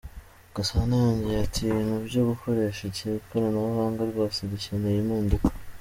Gasana yongeye ati “Ibintu byo gukoresha ikoranabuhanga, rwose dukeneye impinduka.